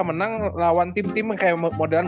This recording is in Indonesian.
menang lawan tim tim kayak modern